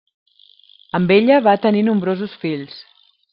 Amb ella va tenir nombrosos fills.